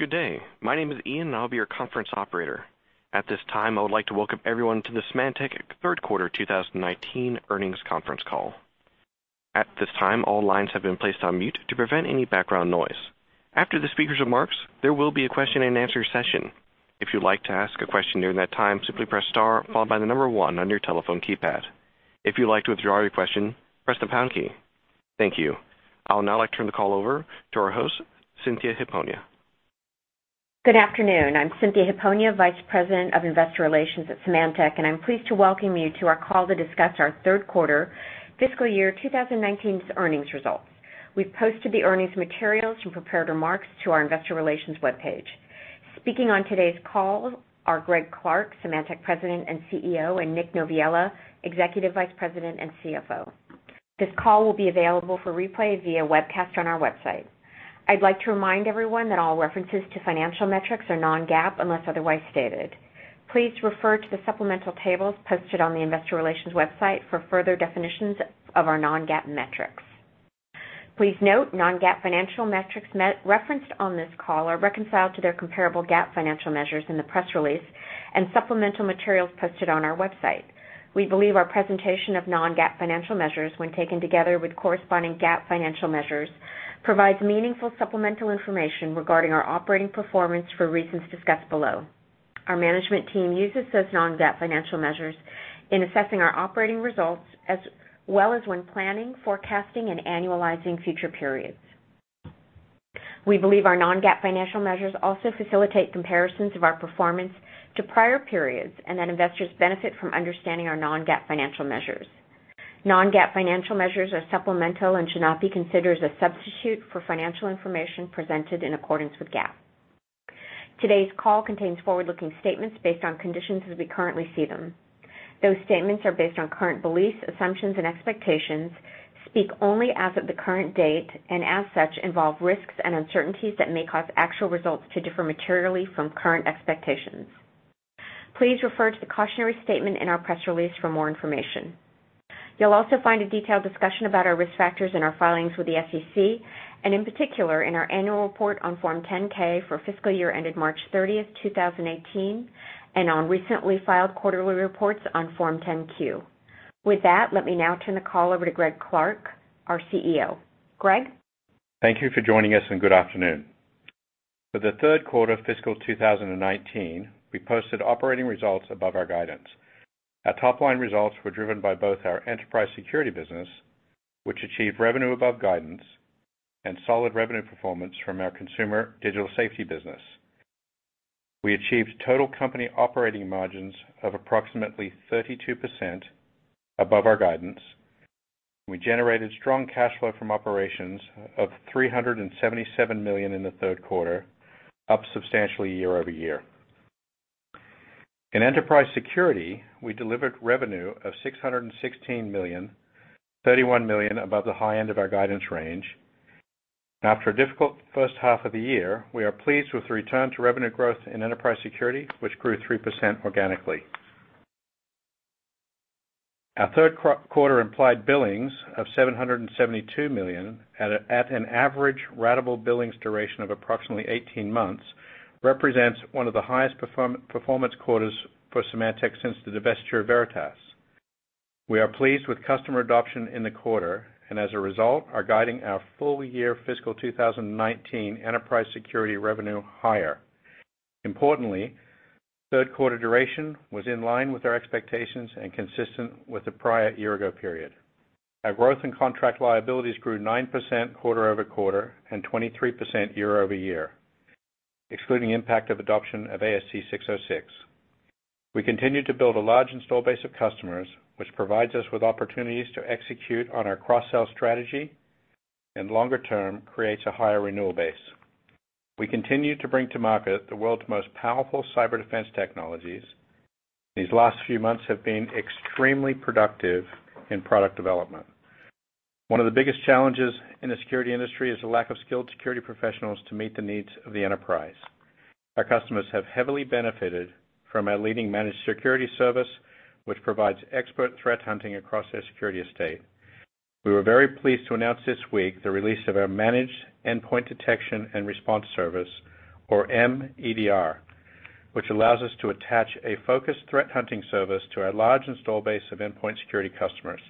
Good day. My name is Ian, and I'll be your conference operator. At this time, I would like to welcome everyone to the Symantec third quarter 2019 earnings conference call. At this time, all lines have been placed on mute to prevent any background noise. After the speaker's remarks, there will be a question-and-answer session. If you'd like to ask a question during that time, simply press star followed by the number one on your telephone keypad. If you'd like to withdraw your question, press the pound key. Thank you. I would now like to turn the call over to our host, Cynthia Hiponia. Good afternoon. I'm Cynthia Hiponia, Vice President of Investor Relations at Symantec, and I'm pleased to welcome you to our call to discuss our third quarter fiscal year 2019's earnings results. We've posted the earnings materials and prepared remarks to our investor relations webpage. Speaking on today's call are Greg Clark, Symantec President and CEO, and Nick Noviello, Executive Vice President and CFO. This call will be available for replay via webcast on our website. I'd like to remind everyone that all references to financial metrics are non-GAAP, unless otherwise stated. Please refer to the supplemental tables posted on the investor relations website for further definitions of our non-GAAP metrics. Please note non-GAAP financial metrics referenced on this call are reconciled to their comparable GAAP financial measures in the press release and supplemental materials posted on our website. We believe our presentation of non-GAAP financial measures, when taken together with corresponding GAAP financial measures, provides meaningful supplemental information regarding our operating performance for reasons discussed below. Our management team uses those non-GAAP financial measures in assessing our operating results, as well as when planning, forecasting, and annualizing future periods. We believe our non-GAAP financial measures also facilitate comparisons of our performance to prior periods and that investors benefit from understanding our non-GAAP financial measures. Non-GAAP financial measures are supplemental and should not be considered as a substitute for financial information presented in accordance with GAAP. Today's call contains forward-looking statements based on conditions as we currently see them. Those statements are based on current beliefs, assumptions, and expectations, speak only as of the current date, and as such, involve risks and uncertainties that may cause actual results to differ materially from current expectations. Please refer to the cautionary statement in our press release for more information. You'll also find a detailed discussion about our risk factors in our filings with the SEC, and in particular, in our annual report on Form 10-K for fiscal year ended March 30th, 2018, and on recently filed quarterly reports on Form 10-Q. With that, let me now turn the call over to Greg Clark, our CEO. Greg? Thank you for joining us, good afternoon. For the third quarter of fiscal 2019, we posted operating results above our guidance. Our top-line results were driven by both our enterprise security business, which achieved revenue above guidance, and solid revenue performance from our consumer digital safety business. We achieved total company operating margins of approximately 32% above our guidance. We generated strong cash flow from operations of $377 million in the third quarter, up substantially year-over-year. In enterprise security, we delivered revenue of $616 million, $31 million above the high end of our guidance range. After a difficult first half of the year, we are pleased with the return to revenue growth in enterprise security, which grew 3% organically. Our third quarter implied billings of $772 million at an average ratable billings duration of approximately 18 months represents one of the highest performance quarters for Symantec since the divestiture of Veritas. We are pleased with customer adoption in the quarter, and as a result, are guiding our full year fiscal 2019 enterprise security revenue higher. Importantly, third quarter duration was in line with our expectations and consistent with the prior year-ago period. Our growth in contract liabilities grew 9% quarter-over-quarter and 23% year-over-year, excluding impact of adoption of ASC 606. We continue to build a large install base of customers, which provides us with opportunities to execute on our cross-sell strategy and longer term, creates a higher renewal base. We continue to bring to market the world's most powerful cyber defense technologies. These last few months have been extremely productive in product development. One of the biggest challenges in the security industry is the lack of skilled security professionals to meet the needs of the enterprise. Our customers have heavily benefited from our leading managed security service, which provides expert threat hunting across their security estate. We were very pleased to announce this week the release of our Managed Endpoint Detection and Response service, or MEDR, which allows us to attach a focused threat hunting service to our large install base of endpoint security customers.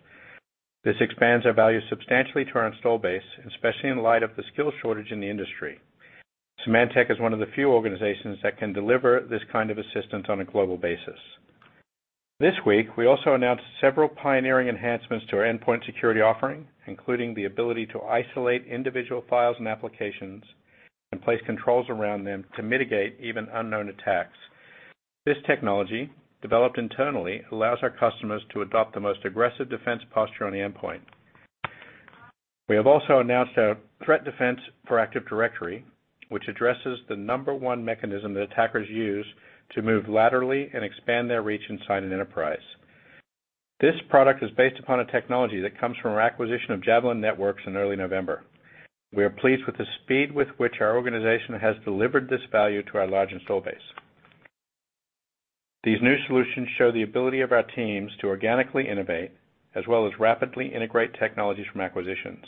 This expands our value substantially to our install base, especially in light of the skill shortage in the industry. Symantec is one of the few organizations that can deliver this kind of assistance on a global basis. This week, we also announced several pioneering enhancements to our endpoint security offering, including the ability to isolate individual files and applications and place controls around them to mitigate even unknown attacks. This technology, developed internally, allows our customers to adopt the most aggressive defense posture on the endpoint. We have also announced our Threat Defense for Active Directory, which addresses the number one mechanism that attackers use to move laterally and expand their reach inside an enterprise. This product is based upon a technology that comes from our acquisition of Javelin Networks in early November. We are pleased with the speed with which our organization has delivered this value to our large install base. These new solutions show the ability of our teams to organically innovate as well as rapidly integrate technologies from acquisitions.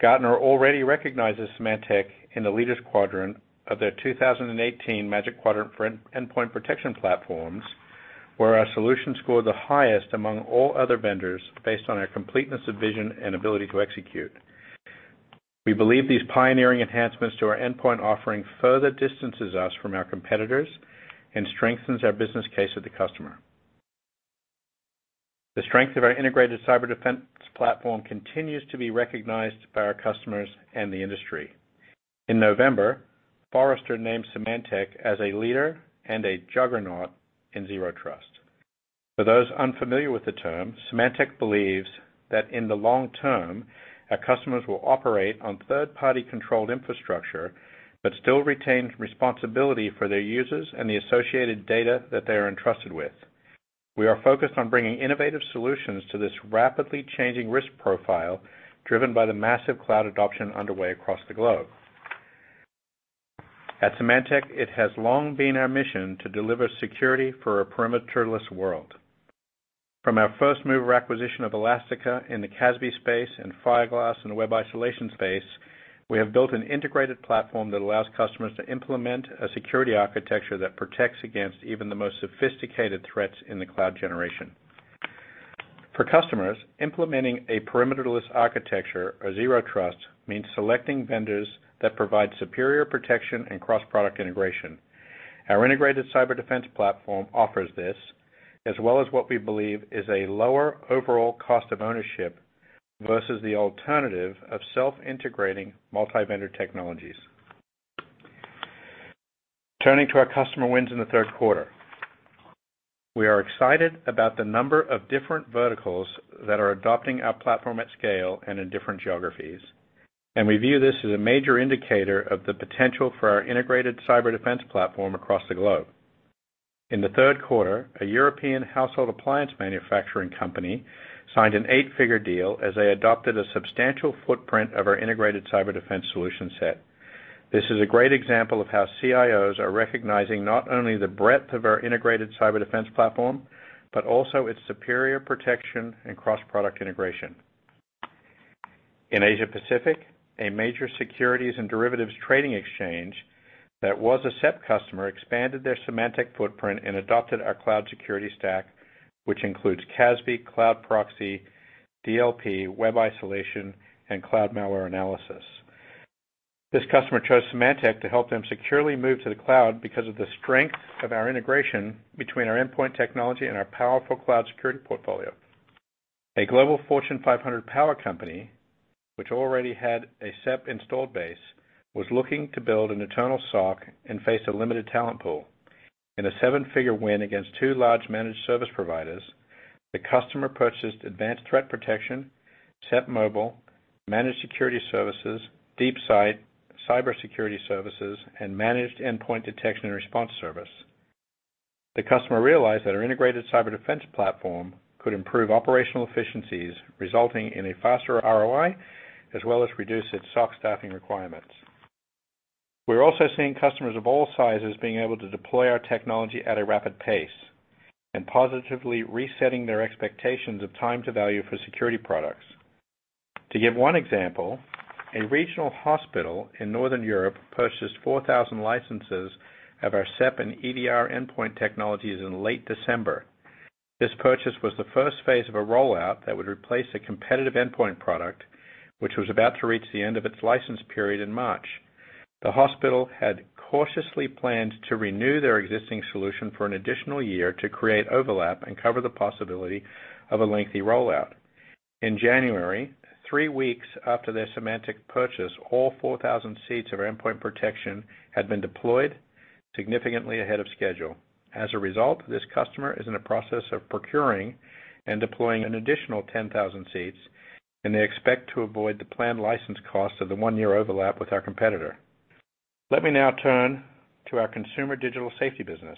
Gartner already recognizes Symantec in the leaders quadrant of their 2018 Magic Quadrant for Endpoint Protection Platforms, where our solutions scored the highest among all other vendors based on our completeness of vision and ability to execute. We believe these pioneering enhancements to our endpoint offering further distances us from our competitors and strengthens our business case with the customer. The strength of our Integrated Cyber Defense Platform continues to be recognized by our customers and the industry. In November, Forrester named Symantec as a leader and a juggernaut in Zero Trust. For those unfamiliar with the term, Symantec believes that in the long term, our customers will operate on third-party controlled infrastructure, but still retain responsibility for their users and the associated data that they are entrusted with. We are focused on bringing innovative solutions to this rapidly changing risk profile, driven by the massive cloud adoption underway across the globe. At Symantec, it has long been our mission to deliver security for a perimeterless world. From our first move of acquisition of Elastica in the CASB space and Fireglass in the web isolation space, we have built an integrated platform that allows customers to implement a security architecture that protects against even the most sophisticated threats in the cloud generation. For customers, implementing a perimeterless architecture or Zero Trust means selecting vendors that provide superior protection and cross-product integration. Our Integrated Cyber Defense Platform offers this, as well as what we believe is a lower overall cost of ownership versus the alternative of self-integrating multi-vendor technologies. Turning to our customer wins in the third quarter. We are excited about the number of different verticals that are adopting our platform at scale and in different geographies. We view this as a major indicator of the potential for our Integrated Cyber Defense Platform across the globe. In the third quarter, a European household appliance manufacturing company signed an eight-figure deal as they adopted a substantial footprint of our Integrated Cyber Defense solution set. This is a great example of how CIOs are recognizing not only the breadth of our Integrated Cyber Defense Platform, but also its superior protection and cross-product integration. In Asia Pacific, a major securities and derivatives trading exchange that was a SEP customer expanded their Symantec footprint and adopted our cloud security stack, which includes CASB, cloud proxy, DLP, web isolation, and cloud malware analysis. This customer chose Symantec to help them securely move to the cloud because of the strength of our integration between our endpoint technology and our powerful cloud security portfolio. A global Fortune 500 power company, which already had a SEP installed base, was looking to build an internal SOC and faced a limited talent pool. In a seven-figure win against two large managed service providers, the customer purchased advanced threat protection, SEP Mobile, managed security services, DeepSight, cybersecurity services, and managed endpoint detection and response service. The customer realized that our Integrated Cyber Defense Platform could improve operational efficiencies, resulting in a faster ROI, as well as reduce its SOC staffing requirements. We're also seeing customers of all sizes being able to deploy our technology at a rapid pace and positively resetting their expectations of time to value for security products. To give one example, a regional hospital in Northern Europe purchased 4,000 licenses of our SEP and EDR endpoint technologies in late December. This purchase was the first phase of a rollout that would replace a competitive endpoint product, which was about to reach the end of its license period in March. The hospital had cautiously planned to renew their existing solution for an additional year to create overlap and cover the possibility of a lengthy rollout. In January, three weeks after their Symantec purchase, all 4,000 seats of our endpoint protection had been deployed significantly ahead of schedule. As a result, this customer is in the process of procuring and deploying an additional 10,000 seats, and they expect to avoid the planned license cost of the one-year overlap with our competitor. Let me now turn to our Consumer Digital Safety business.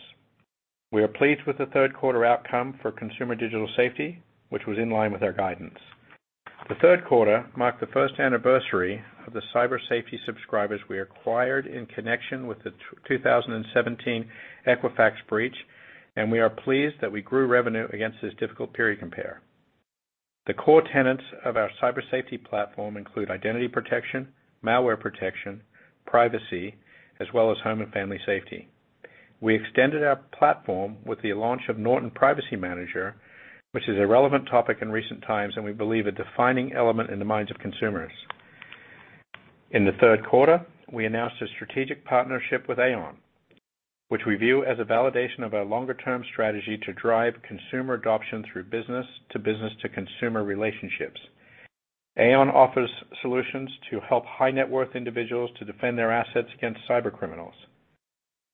We are pleased with the third quarter outcome for Consumer Digital Safety, which was in line with our guidance. The third quarter marked the first anniversary of the cyber safety subscribers we acquired in connection with the 2017 Equifax breach. We are pleased that we grew revenue against this difficult period compare. The core tenets of our cyber safety platform include identity protection, malware protection, privacy, as well as home and family safety. We extended our platform with the launch of Norton Privacy Manager, which is a relevant topic in recent times. We believe a defining element in the minds of consumers. In the third quarter, we announced a strategic partnership with Aon, which we view as a validation of our longer-term strategy to drive consumer adoption through business-to-business-to-consumer relationships. Aon offers solutions to help high-net-worth individuals to defend their assets against cybercriminals.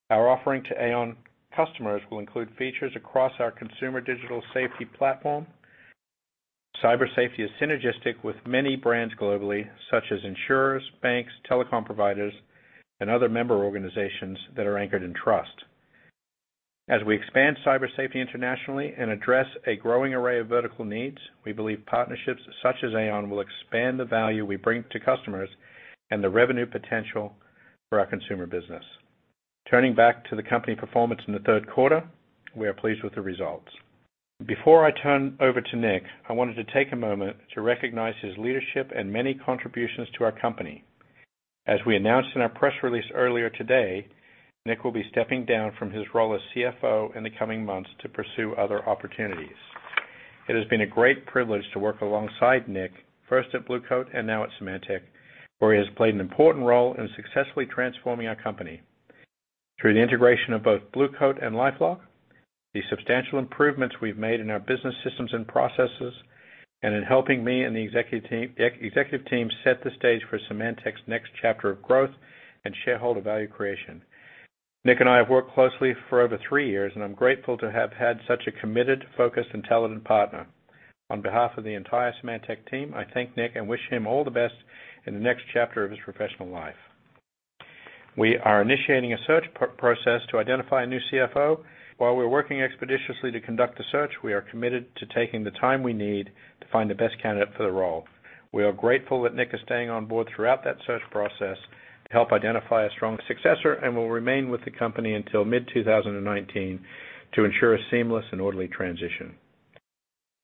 Our offering to Aon customers will include features across our Consumer Digital Safety platform. Cyber safety is synergistic with many brands globally, such as insurers, banks, telecom providers, and other member organizations that are anchored in trust. As we expand cyber safety internationally and address a growing array of vertical needs, we believe partnerships such as Aon will expand the value we bring to customers and the revenue potential for our consumer business. Turning back to the company performance in the third quarter, we are pleased with the results. Before I turn over to Nick, I wanted to take a moment to recognize his leadership and many contributions to our company. As we announced in our press release earlier today, Nick will be stepping down from his role as CFO in the coming months to pursue other opportunities. It has been a great privilege to work alongside Nick, first at Blue Coat and now at Symantec, where he has played an important role in successfully transforming our company through the integration of both Blue Coat and LifeLock, the substantial improvements we've made in our business systems and processes, and in helping me and the executive team set the stage for Symantec's next chapter of growth and shareholder value creation. Nick and I have worked closely for over three years. I'm grateful to have had such a committed, focused, and talented partner. On behalf of the entire Symantec team, I thank Nick and wish him all the best in the next chapter of his professional life. We are initiating a search process to identify a new CFO. While we're working expeditiously to conduct a search, we are committed to taking the time we need to find the best candidate for the role. We are grateful that Nick is staying on board throughout that search process to help identify a strong successor, and will remain with the company until mid-2019 to ensure a seamless and orderly transition.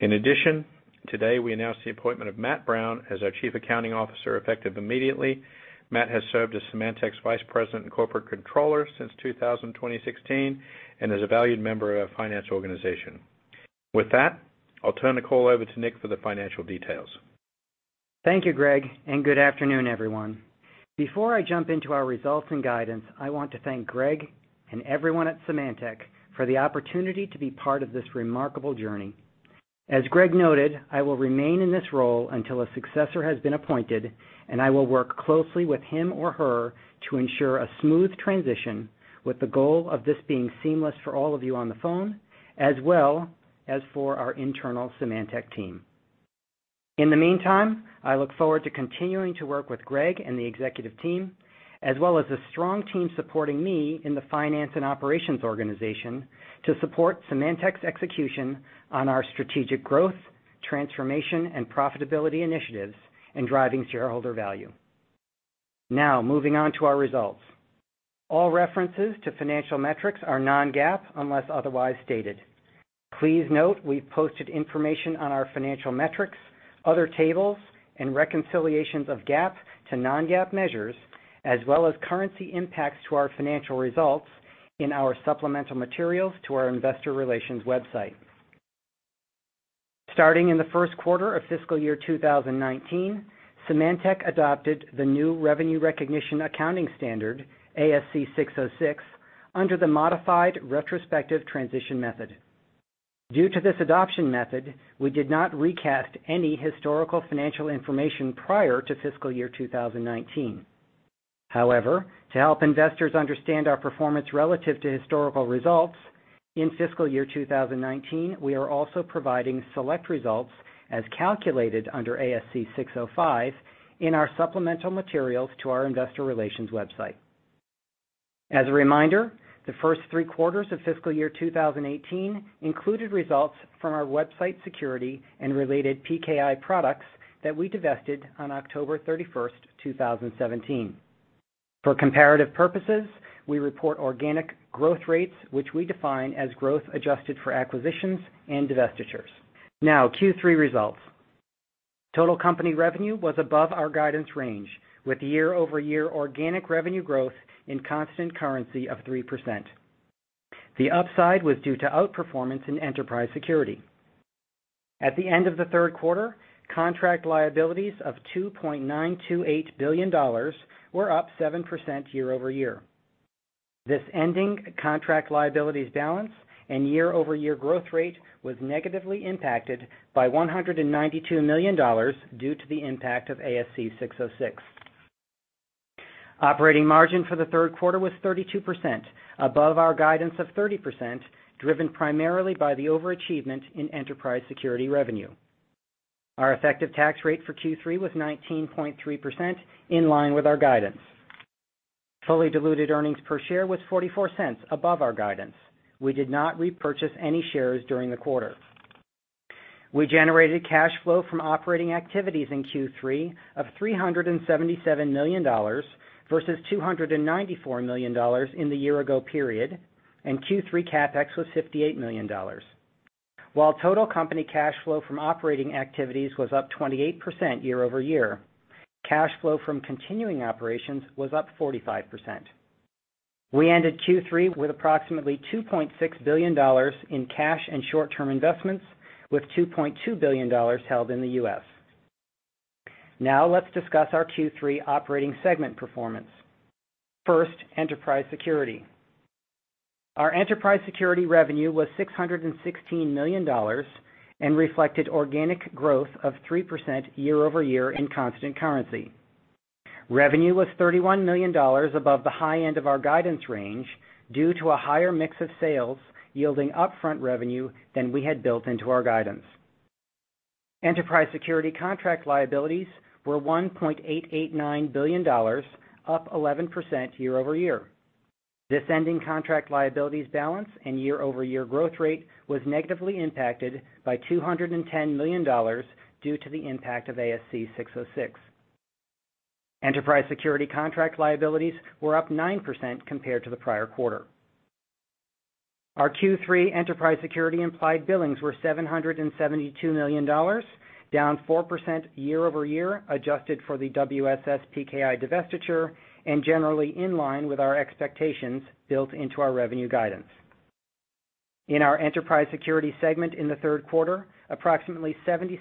In addition, today, we announced the appointment of Matt Brown as our Chief Accounting Officer, effective immediately. Matt has served as Symantec's Vice President and Corporate Controller since 2016, and is a valued member of our finance organization. With that, I'll turn the call over to Nick for the financial details. Thank you, Greg, and good afternoon, everyone. Before I jump into our results and guidance, I want to thank Greg and everyone at Symantec for the opportunity to be part of this remarkable journey. As Greg noted, I will remain in this role until a successor has been appointed, and I will work closely with him or her to ensure a smooth transition with the goal of this being seamless for all of you on the phone, as well as for our internal Symantec team. In the meantime, I look forward to continuing to work with Greg and the executive team, as well as the strong team supporting me in the finance and operations organization to support Symantec's execution on our strategic growth, transformation, and profitability initiatives in driving shareholder value. Moving on to our results. All references to financial metrics are non-GAAP, unless otherwise stated. Please note we've posted information on our financial metrics, other tables, and reconciliations of GAAP to non-GAAP measures, as well as currency impacts to our financial results in our supplemental materials to our investor relations website. Starting in the first quarter of fiscal year 2019, Symantec adopted the new revenue recognition accounting standard, ASC 606, under the modified retrospective transition method. Due to this adoption method, we did not recast any historical financial information prior to fiscal year 2019. However, to help investors understand our performance relative to historical results, in fiscal year 2019, we are also providing select results as calculated under ASC 605 in our supplemental materials to our investor relations website. As a reminder, the first three quarters of fiscal year 2018 included results from our website security and related PKI products that we divested on October 31st, 2017. For comparative purposes, we report organic growth rates, which we define as growth adjusted for acquisitions and divestitures. Q3 results. Total company revenue was above our guidance range, with year-over-year organic revenue growth in constant currency of 3%. The upside was due to outperformance in enterprise security. At the end of the third quarter, contract liabilities of $2.928 billion were up 7% year over year. This ending contract liabilities balance and year-over-year growth rate was negatively impacted by $192 million due to the impact of ASC 606. Operating margin for the third quarter was 32%, above our guidance of 30%, driven primarily by the overachievement in enterprise security revenue. Our effective tax rate for Q3 was 19.3%, in line with our guidance. Fully diluted earnings per share was $0.44, above our guidance. We did not repurchase any shares during the quarter. We generated cash flow from operating activities in Q3 of $377 million versus $294 million in the year-ago period. Q3 CapEx was $58 million. While total company cash flow from operating activities was up 28% year-over-year, cash flow from continuing operations was up 45%. We ended Q3 with approximately $2.6 billion in cash and short-term investments, with $2.2 billion held in the U.S. Let's discuss our Q3 operating segment performance. First, Enterprise Security. Our Enterprise Security revenue was $616 million and reflected organic growth of 3% year-over-year in constant currency. Revenue was $31 million above the high end of our guidance range due to a higher mix of sales yielding upfront revenue than we had built into our guidance. Enterprise Security contract liabilities were $1.889 billion, up 11% year-over-year. This ending contract liabilities balance and year-over-year growth rate was negatively impacted by $210 million due to the impact of ASC 606. Enterprise Security contract liabilities were up 9% compared to the prior quarter. Our Q3 Enterprise Security implied billings were $772 million, down 4% year-over-year, adjusted for the WSS/PKI divestiture. Generally in line with our expectations built into our revenue guidance. In our Enterprise Security segment in the third quarter, approximately 76%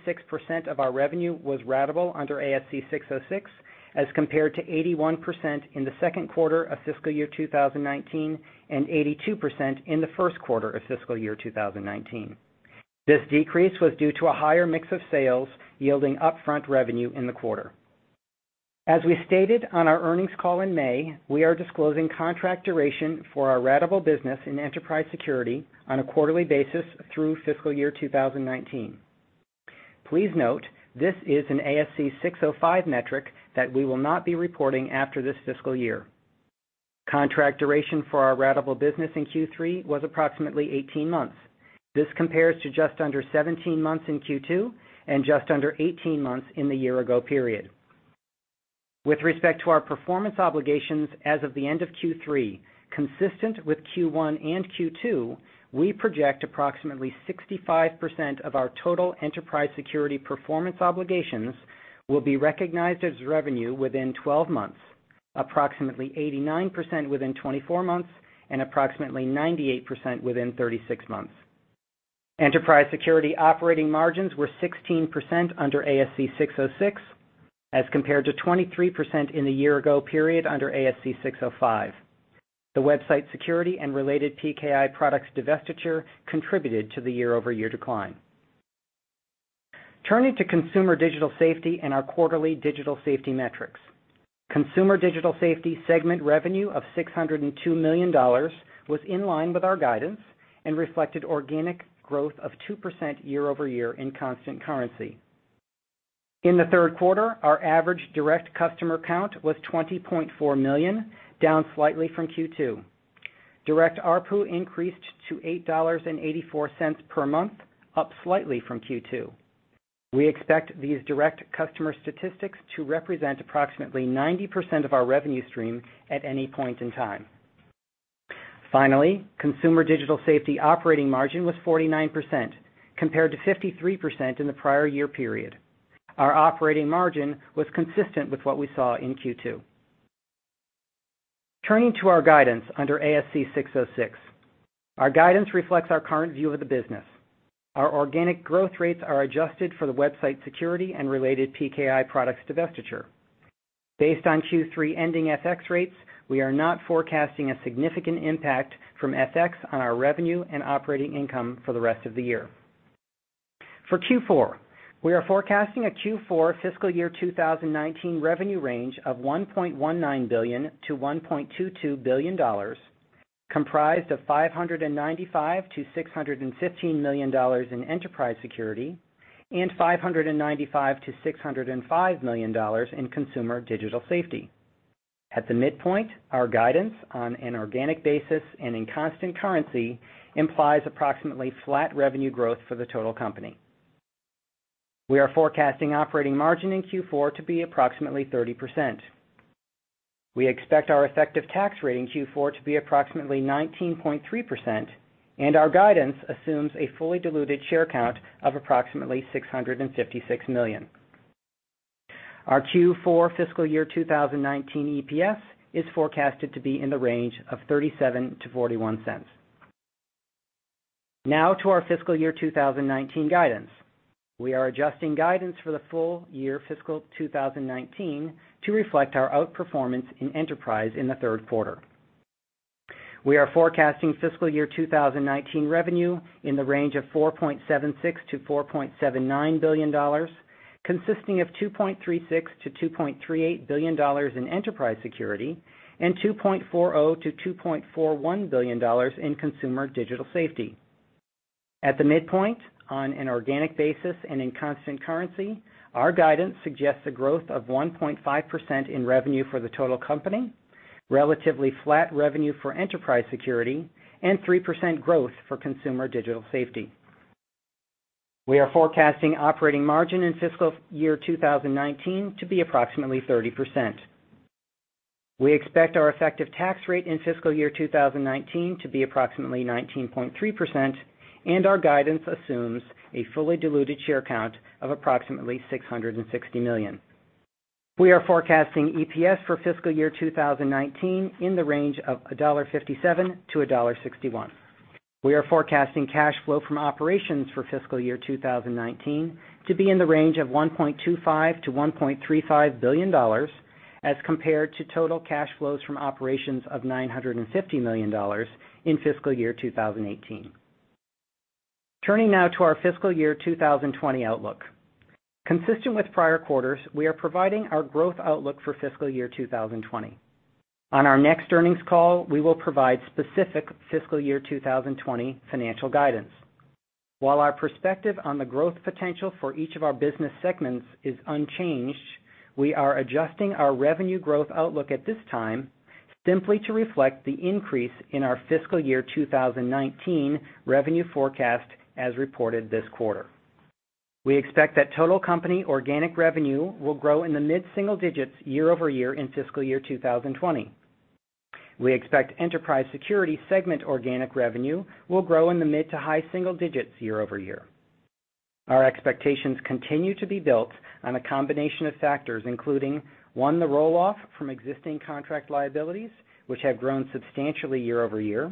of our revenue was ratable under ASC 606, as compared to 81% in the second quarter of fiscal year 2019 and 82% in the first quarter of fiscal year 2019. This decrease was due to a higher mix of sales yielding upfront revenue in the quarter. As we stated on our earnings call in May, we are disclosing contract duration for our ratable business in Enterprise Security on a quarterly basis through fiscal year 2019. Please note, this is an ASC 605 metric that we will not be reporting after this fiscal year. Contract duration for our ratable business in Q3 was approximately 18 months. This compares to just under 17 months in Q2 and just under 18 months in the year-ago period. With respect to our performance obligations as of the end of Q3, consistent with Q1 and Q2, we project approximately 65% of our total Enterprise Security performance obligations will be recognized as revenue within 12 months, approximately 89% within 24 months, and approximately 98% within 36 months. Enterprise Security operating margins were 16% under ASC 606, as compared to 23% in the year-ago period under ASC 605. The Website Security and related PKI products divestiture contributed to the year-over-year decline. Turning to Consumer Digital Safety and our quarterly Digital Safety metrics. Consumer Digital Safety segment revenue of $602 million was in line with our guidance and reflected organic growth of 2% year-over-year in constant currency. In the third quarter, our average direct customer count was 20.4 million, down slightly from Q2. Direct ARPU increased to $8.84 per month, up slightly from Q2. We expect these direct customer statistics to represent approximately 90% of our revenue stream at any point in time. Consumer Digital Safety operating margin was 49%, compared to 53% in the prior-year period. Our operating margin was consistent with what we saw in Q2. Turning to our guidance under ASC 606. Our guidance reflects our current view of the business. Our organic growth rates are adjusted for the Website Security and related PKI products divestiture. Based on Q3 ending FX rates, we are not forecasting a significant impact from FX on our revenue and operating income for the rest of the year. For Q4, we are forecasting a Q4 fiscal year 2019 revenue range of $1.19 billion-$1.22 billion, comprised of $595 million-$615 million in Enterprise Security and $595 million-$605 million in Consumer Digital Safety. At the midpoint, our guidance on an organic basis and in constant currency implies approximately flat revenue growth for the total company. We are forecasting operating margin in Q4 to be approximately 30%. We expect our effective tax rate in Q4 to be approximately 19.3%, and our guidance assumes a fully diluted share count of approximately 656 million. Our Q4 fiscal year 2019 EPS is forecasted to be in the range of $0.37-$0.41. To our fiscal year 2019 guidance. We are adjusting guidance for the full year fiscal 2019 to reflect our outperformance in Enterprise in the third quarter. We are forecasting fiscal year 2019 revenue in the range of $4.76 billion-$4.79 billion, consisting of $2.36 billion-$2.38 billion in Enterprise Security and $2.40 billion-$2.41 billion in Consumer Digital Safety. At the midpoint, on an organic basis and in constant currency, our guidance suggests a growth of 1.5% in revenue for the total company, relatively flat revenue for Enterprise Security, and 3% growth for Consumer Digital Safety. We are forecasting operating margin in fiscal year 2019 to be approximately 30%. We expect our effective tax rate in fiscal year 2019 to be approximately 19.3%, and our guidance assumes a fully diluted share count of approximately 660 million. We are forecasting EPS for fiscal year 2019 in the range of $1.57-$1.61. We are forecasting cash flow from operations for fiscal year 2019 to be in the range of $1.25 billion-$1.35 billion, as compared to total cash flows from operations of $950 million in fiscal year 2018. Turning now to our fiscal year 2020 outlook. Consistent with prior quarters, we are providing our growth outlook for fiscal year 2020. On our next earnings call, we will provide specific fiscal year 2020 financial guidance. While our perspective on the growth potential for each of our business segments is unchanged, we are adjusting our revenue growth outlook at this time simply to reflect the increase in our fiscal year 2019 revenue forecast, as reported this quarter. We expect that total company organic revenue will grow in the mid-single digits year-over-year in fiscal year 2020. We expect Enterprise Security segment organic revenue will grow in the mid-to-high single digits year-over-year. Our expectations continue to be built on a combination of factors, including, one, the roll-off from existing contract liabilities, which have grown substantially year-over-year;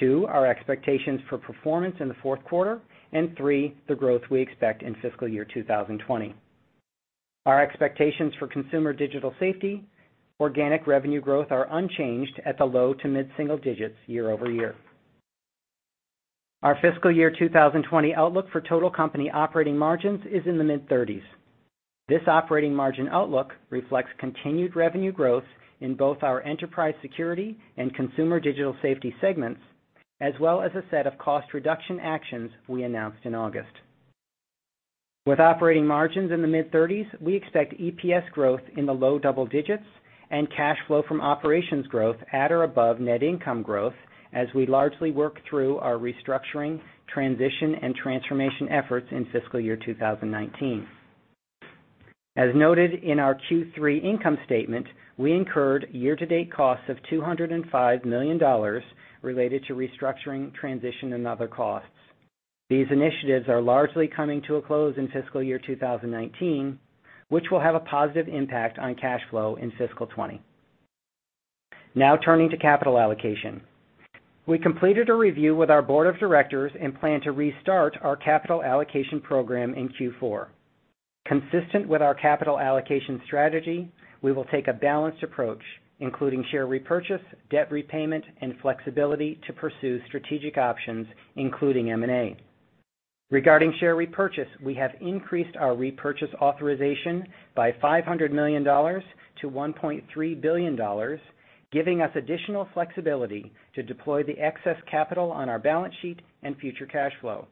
two, our expectations for performance in the fourth quarter; and three, the growth we expect in fiscal year 2020. Our expectations for Consumer Digital Safety organic revenue growth are unchanged at the low-to-mid-single digits year-over-year. Our fiscal year 2020 outlook for total company operating margins is in the mid-30s. This operating margin outlook reflects continued revenue growth in both our Enterprise Security and Consumer Digital Safety segments, as well as a set of cost reduction actions we announced in August. With operating margins in the mid-30s, we expect EPS growth in the low double digits and cash flow from operations growth at or above net income growth, as we largely work through our restructuring, transition, and transformation efforts in fiscal year 2019. As noted in our Q3 income statement, we incurred year-to-date costs of $205 million related to restructuring, transition, and other costs. These initiatives are largely coming to a close in fiscal year 2019, which will have a positive impact on cash flow in fiscal 2020. Now turning to capital allocation. We completed a review with our board of directors and plan to restart our capital allocation program in Q4. Consistent with our capital allocation strategy, we will take a balanced approach, including share repurchase, debt repayment, and flexibility to pursue strategic options, including M&A. Regarding share repurchase, we have increased our repurchase authorization by $500 million to $1.3 billion, giving us additional flexibility to deploy the excess capital on our balance sheet and future cash flow.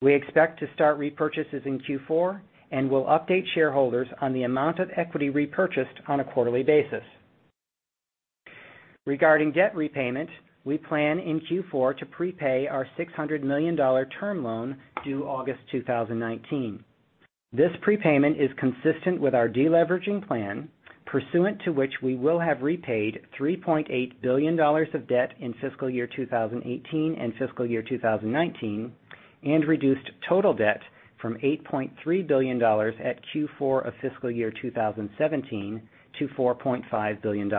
We expect to start repurchases in Q4, and we'll update shareholders on the amount of equity repurchased on a quarterly basis. Regarding debt repayment, we plan in Q4 to prepay our $600 million term loan due August 2019. This prepayment is consistent with our de-leveraging plan, pursuant to which we will have repaid $3.8 billion of debt in fiscal year 2018 and fiscal year 2019 and reduced total debt from $8.3 billion at Q4 of fiscal year 2017 to $4.5 billion.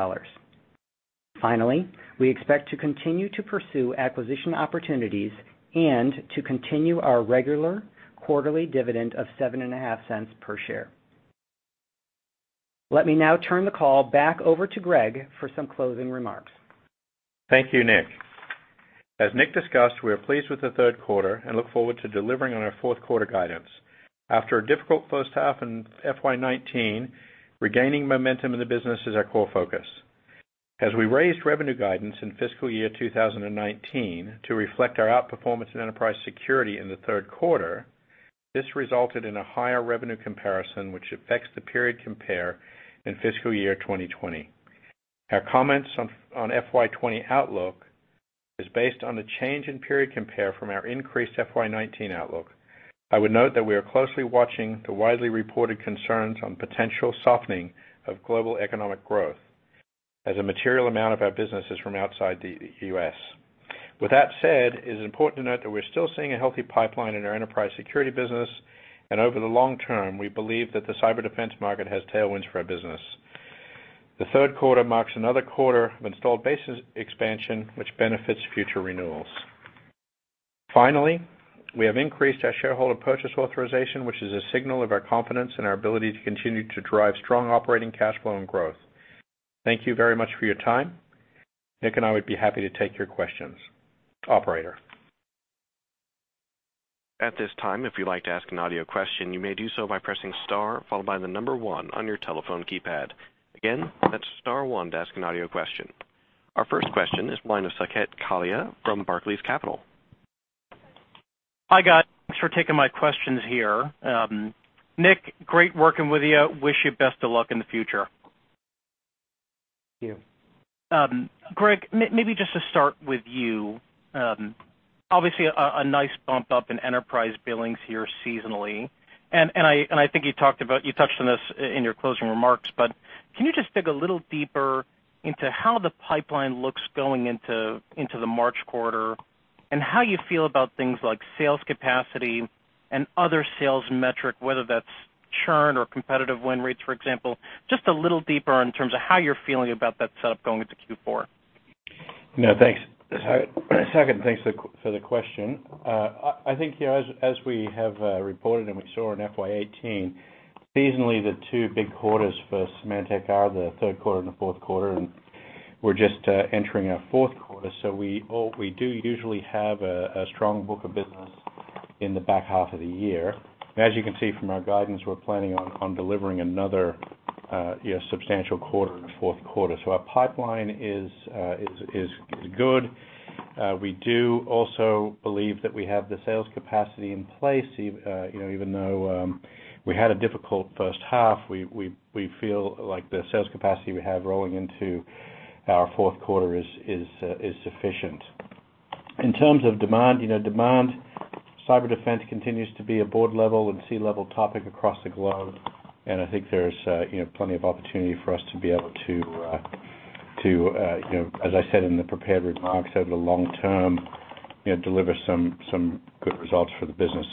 Finally, we expect to continue to pursue acquisition opportunities and to continue our regular quarterly dividend of $0.075 per share. Let me now turn the call back over to Greg for some closing remarks. Thank you, Nick. As Nick discussed, we are pleased with the third quarter and look forward to delivering on our fourth quarter guidance. After a difficult first half in FY 2019, regaining momentum in the business is our core focus. As we raised revenue guidance in fiscal year 2019 to reflect our outperformance in Enterprise Security in the third quarter, this resulted in a higher revenue comparison, which affects the period compare in fiscal year 2020. Our comments on FY 2020 outlook is based on the change in period compare from our increased FY 2019 outlook. I would note that we are closely watching the widely reported concerns on potential softening of global economic growth, as a material amount of our business is from outside the U.S. With that said, it is important to note that we're still seeing a healthy pipeline in our Enterprise Security business. Over the long term, we believe that the cyber defense market has tailwinds for our business. The third quarter marks another quarter of installed base expansion, which benefits future renewals. Finally, we have increased our shareholder purchase authorization, which is a signal of our confidence in our ability to continue to drive strong operating cash flow and growth. Thank you very much for your time. Nick and I would be happy to take your questions. Operator. At this time, if you'd like to ask an audio question, you may do so by pressing star, followed by the number one on your telephone keypad. Again, that's star one to ask an audio question. Our first question is the line of Saket Kalia from Barclays Capital. Hi, guys. Thanks for taking my questions here. Nick, great working with you. Wish you best of luck in the future. Thank you. Greg, maybe just to start with you. Obviously, a nice bump up in enterprise billings here seasonally. I think you touched on this in your closing remarks, but can you just dig a little deeper into how the pipeline looks going into the March quarter, and how you feel about things like sales capacity and other sales metric, whether that's churn or competitive win rates, for example, just a little deeper in terms of how you're feeling about that setup going into Q4. No, thanks, Saket. Thanks for the question. I think as we have reported and we saw in FY 2018, seasonally, the two big quarters for Symantec are the third quarter and the fourth quarter, we're just entering our fourth quarter. We do usually have a strong book of business in the back half of the year. As you can see from our guidance, we're planning on delivering another substantial quarter in the fourth quarter. Our pipeline is good. We do also believe that we have the sales capacity in place, even though we had a difficult first half. We feel like the sales capacity we have rolling into our fourth quarter is sufficient. In terms of demand cyber defense continues to be a board-level and C-level topic across the globe, I think there's plenty of opportunity for us to be able to, as I said in the prepared remarks, over the long term, deliver some good results for the business.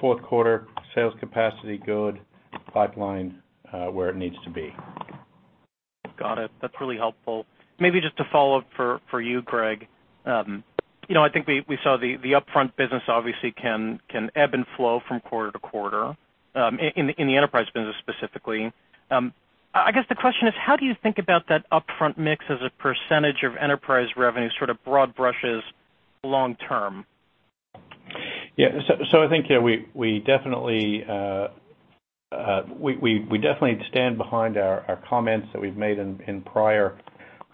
Fourth quarter sales capacity good. Pipeline where it needs to be. Got it. That's really helpful. Maybe just a follow-up for you, Greg. I think we saw the upfront business obviously can ebb and flow from quarter-to-quarter in the enterprise business specifically. I guess the question is how do you think about that upfront mix as a percentage of enterprise revenue, sort of broad brushes long term? Yeah. I think we definitely stand behind our comments that we've made in prior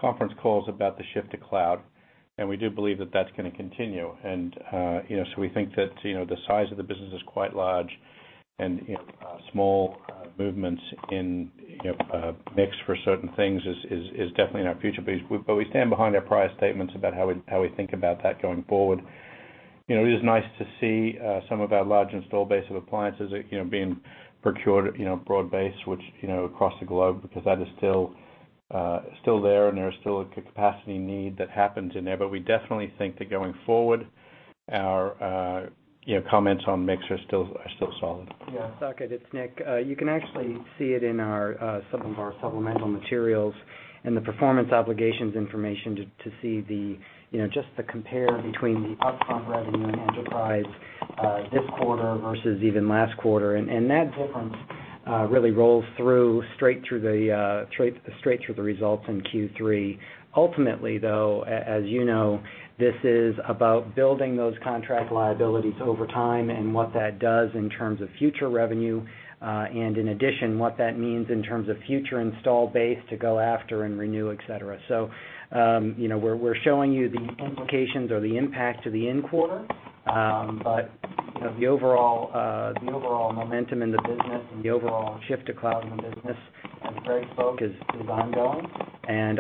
conference calls about the shift to cloud, we do believe that that's going to continue. We think that the size of the business is quite large, small movements in mix for certain things is definitely in our future. We stand behind our prior statements about how we think about that going forward. It is nice to see some of our large install base of appliances being procured broad base, which across the globe, because that is still there, and there is still a capacity need that happens in there. We definitely think that going forward, our comments on mix are still solid. Yeah. Saket, it's Nick. You can actually see it in some of our supplemental materials in the performance obligations information to see just the compare between the upfront revenue and enterprise this quarter versus even last quarter. That difference really rolls through straight through the results in Q3. Ultimately, though, as you know, this is about building those contract liabilities over time and what that does in terms of future revenue. In addition, what that means in terms of future install base to go after and renew, et cetera. We're showing you the implications or the impact to the end quarter. The overall momentum in the business and the overall shift to cloud in the business, as Greg spoke, is ongoing.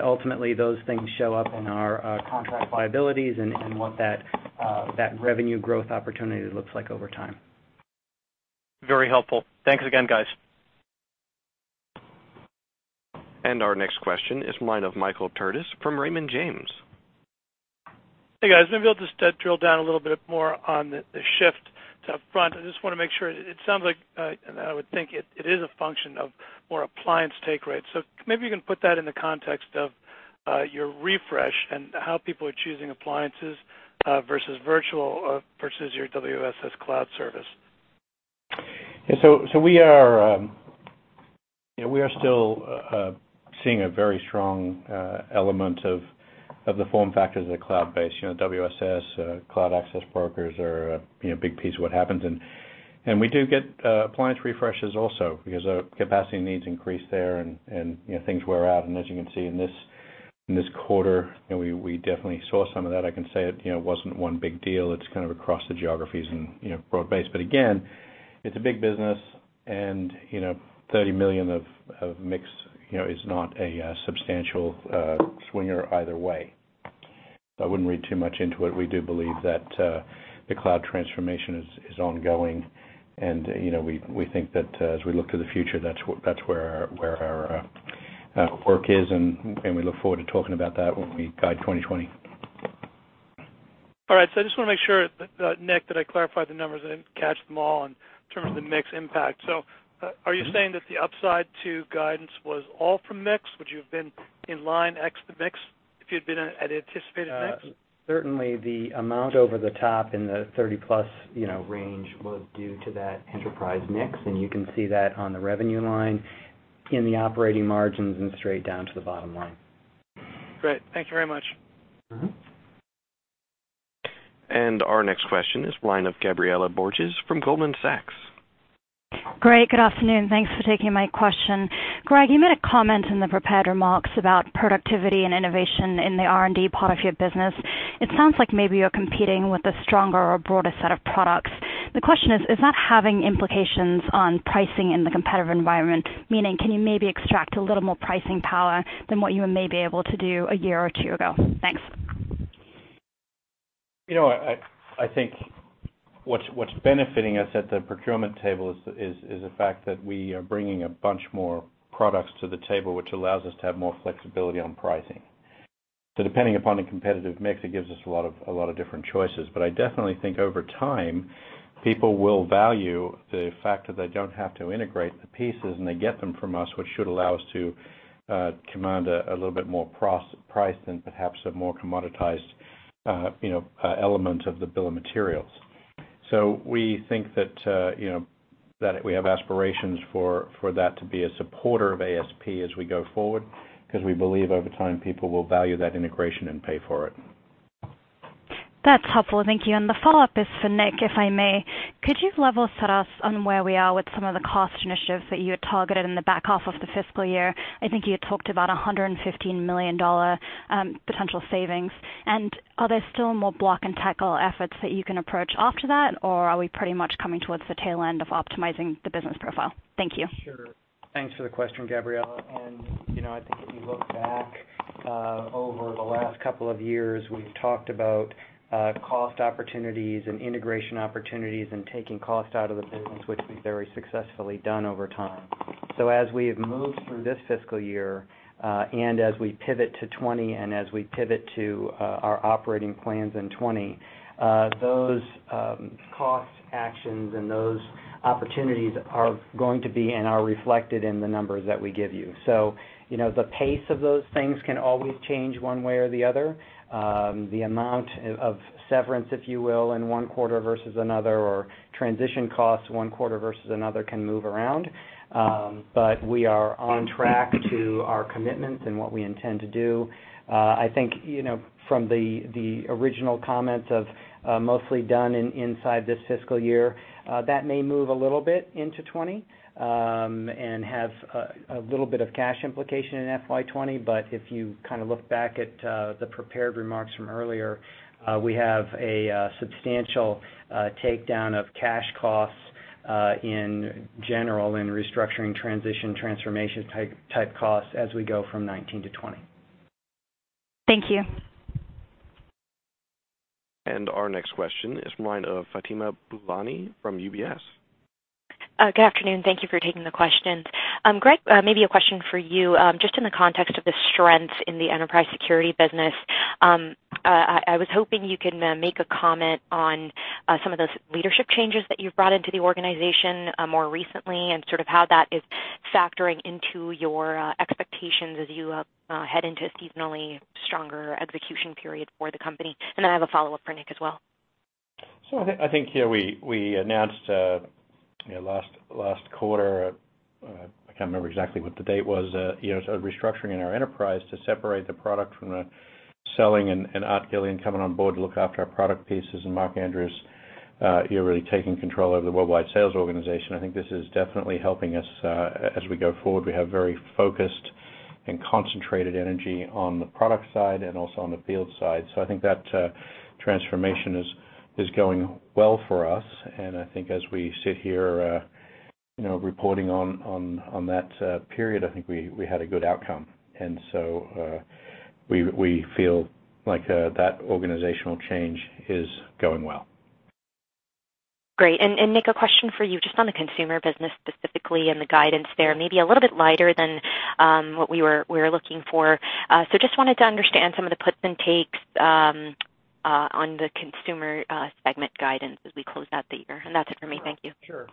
Ultimately, those things show up in our contract liabilities and what that revenue growth opportunity looks like over time. Very helpful. Thanks again, guys. Our next question is mine of Michael Turits from Raymond James. Hey, guys. Maybe I'll just drill down a little bit more on the shift to upfront. I just want to make sure. It sounds like, and I would think it is a function of more appliance take rates. Maybe you can put that in the context of your refresh and how people are choosing appliances versus virtual versus your WSS cloud service. Yeah. We are still seeing a very strong element of the form factors of the cloud base. WSS, cloud access brokers are a big piece of what happens. We do get appliance refreshes also because our capacity needs increase there and things wear out. As you can see in this quarter, we definitely saw some of that. I can say it wasn't one big deal. It's kind of across the geographies and broad base. Again, it's a big business, and $30 million of mix is not a substantial swinger either way. I wouldn't read too much into it. We do believe that the cloud transformation is ongoing, and we think that as we look to the future, that's where our work is, and we look forward to talking about that when we guide 2020. All right. I just want to make sure, Nick, that I clarified the numbers. I didn't catch them all in terms of the mix impact. Are you saying that the upside to guidance was all from mix? Would you have been in line ex the mix if you'd been at anticipated mix? Certainly the amount over the top in the $30+ million range was due to that enterprise mix, and you can see that on the revenue line, in the operating margins, and straight down to the bottom line. Great. Thank you very much. Our next question is line of Gabriela Borges from Goldman Sachs. Greg, good afternoon. Thanks for taking my question. Greg, you made a comment in the prepared remarks about productivity and innovation in the R&D part of your business. It sounds like maybe you're competing with a stronger or broader set of products. The question is that having implications on pricing in the competitive environment? Meaning, can you maybe extract a little more pricing power than what you may be able to do a year or two ago? Thanks. I think what's benefiting us at the procurement table is the fact that we are bringing a bunch more products to the table, which allows us to have more flexibility on pricing. Depending upon the competitive mix, it gives us a lot of different choices. I definitely think over time, people will value the fact that they don't have to integrate the pieces, and they get them from us, which should allow us to command a little bit more price than perhaps a more commoditized element of the bill of materials. We think that we have aspirations for that to be a supporter of ASP as we go forward because we believe over time people will value that integration and pay for it. That's helpful. Thank you. The follow-up is for Nick, if I may. Could you level set us on where we are with some of the cost initiatives that you had targeted in the back half of the fiscal year? I think you had talked about $115 million potential savings. Are there still more block and tackle efforts that you can approach after that? Are we pretty much coming towards the tail end of optimizing the business profile? Thank you. Sure. Thanks for the question, Gabriela. I think if you look back over the last couple of years, we've talked about cost opportunities and integration opportunities and taking cost out of the business, which we've very successfully done over time. As we have moved through this fiscal year, and as we pivot to FY 2020, and as we pivot to our operating plans in FY 2020, those cost actions and those opportunities are going to be and are reflected in the numbers that we give you. The pace of those things can always change one way or the other. The amount of severance, if you will, in one quarter versus another, or transition costs one quarter versus another can move around. We are on track to our commitments and what we intend to do. I think, from the original comments of mostly done in inside this fiscal year, that may move a little bit into FY 2020, and have a little bit of cash implication in FY 2020. If you look back at the prepared remarks from earlier, we have a substantial takedown of cash costs in general in restructuring, transition, transformation type costs as we go from 2019 to 2020. Thank you. Our next question is from the line of Fatima Boolani from UBS. Good afternoon. Thank you for taking the questions. Greg, maybe a question for you. Just in the context of the strengths in the enterprise security business, I was hoping you can make a comment on some of those leadership changes that you've brought into the organization more recently and how that is factoring into your expectations as you head into a seasonally stronger execution period for the company. Then I have a follow-up for Nick as well. I think, yeah, we announced last quarter, I can't remember exactly what the date was, a restructuring in our enterprise to separate the product from the selling and Art Gilliland coming on board to look after our product pieces and Marc Andrews really taking control over the worldwide sales organization. I think this is definitely helping us as we go forward. We have very focused and concentrated energy on the product side and also on the field side. I think that transformation is going well for us. I think as we sit here reporting on that period, I think we had a good outcome. We feel like that organizational change is going well. Great. Nick, a question for you, just on the consumer business specifically and the guidance there. Maybe a little bit lighter than what we were looking for. Just wanted to understand some of the puts and takes on the consumer segment guidance as we close out the year. That's it for me. Thank you. Sure.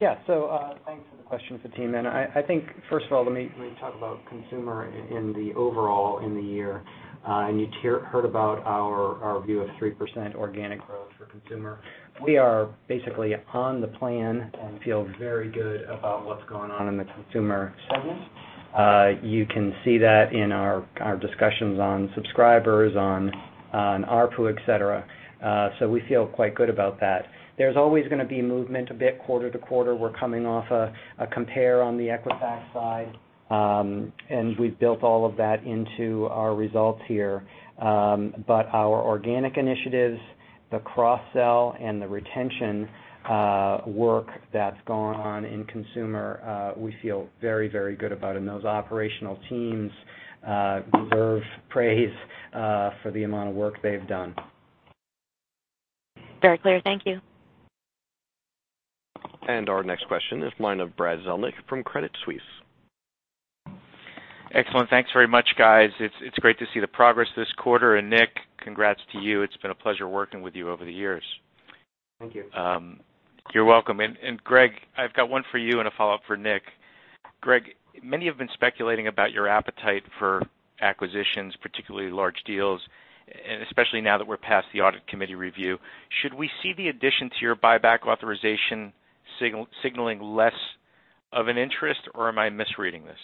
Yeah. Thanks for the question, Fatima Boolani. First of all, let me talk about consumer in the overall in the year. You heard about our view of 3% organic growth for consumer. We are basically on the plan and feel very good about what's going on in the consumer segment. You can see that in our discussions on subscribers, on ARPU, et cetera. We feel quite good about that. There's always going to be movement a bit quarter to quarter. We're coming off a compare on the Equifax side, and we've built all of that into our results here. Our organic initiatives, the cross-sell, and the retention work that's gone on in consumer, we feel very, very good about. Those operational teams deserve praise for the amount of work they've done. Very clear. Thank you. Our next question is from the line of Brad Zelnick from Credit Suisse. Excellent. Thanks very much, guys. It's great to see the progress this quarter. Nick, congrats to you. It's been a pleasure working with you over the years. Thank you. You're welcome. Greg, I've got one for you and a follow-up for Nick. Greg, many have been speculating about your appetite for acquisitions, particularly large deals, especially now that we're past the audit committee review. Should we see the addition to your buyback authorization signaling less of an interest, or am I misreading this?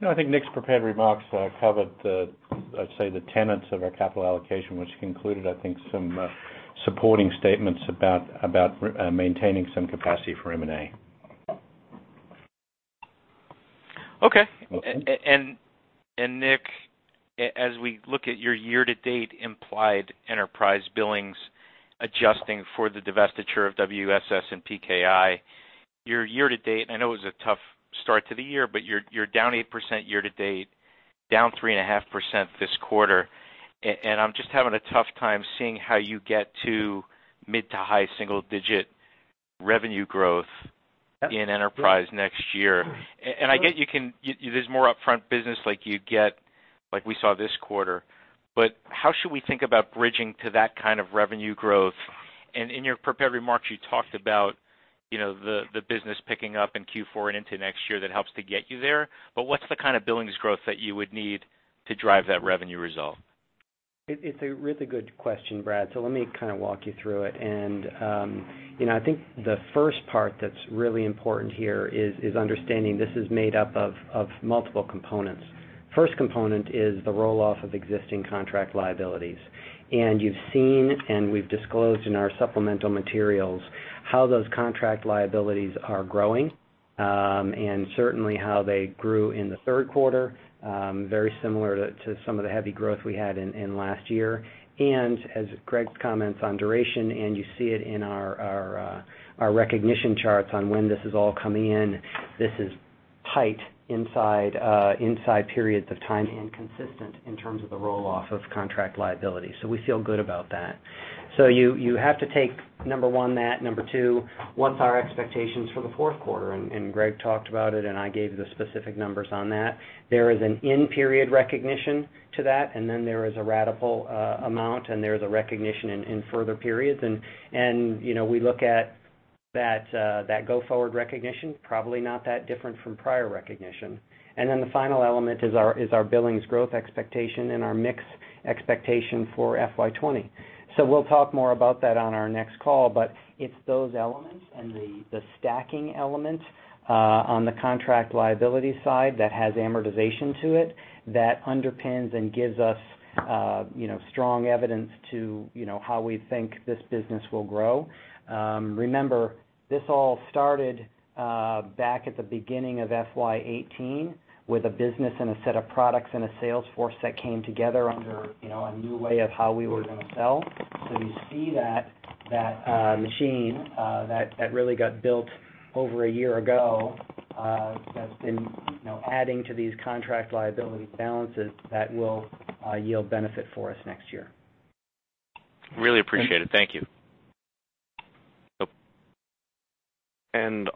No, I think Nick's prepared remarks covered the, I'd say, the tenets of our capital allocation, which included, I think, some supporting statements about maintaining some capacity for M&A. Okay. Nick, as we look at your year-to-date implied enterprise billings, adjusting for the divestiture of WSS and PKI, your year to date, I know it was a tough start to the year, but you're down 8% year to date, down 3.5% this quarter. I'm just having a tough time seeing how you get to mid to high single digit revenue growth in enterprise next year. In your prepared remarks, you talked about the business picking up in Q4 and into next year, that helps to get you there. What's the kind of billings growth that you would need to drive that revenue result? It's a really good question, Brad. Let me walk you through it. I think the first part that's really important here is understanding this is made up of multiple components. First component is the roll-off of existing contract liabilities. You've seen, and we've disclosed in our supplemental materials, how those contract liabilities are growing, and certainly how they grew in the third quarter, very similar to some of the heavy growth we had in last year. As Greg's comments on duration, and you see it in our recognition charts on when this is all coming in, this is tight inside periods of time and consistent in terms of the roll-off of contract liability. We feel good about that. You have to take number one, that. Number two, what's our expectations for the fourth quarter? Greg talked about it, I gave the specific numbers on that. There is an in-period recognition to that, there is a ratable amount, there is a recognition in further periods. We look at that go forward recognition, probably not that different from prior recognition. The final element is our billings growth expectation and our mix expectation for FY 2020. We'll talk more about that on our next call, but it's those elements and the stacking elements on the contract liability side that has amortization to it that underpins and gives us strong evidence to how we think this business will grow. Remember, this all started back at the beginning of FY 2018 with a business and a set of products and a sales force that came together under a new way of how we were going to sell. You see that machine that really got built over a year ago that's been adding to these contract liability balances that will yield benefit for us next year. Really appreciate it. Thank you.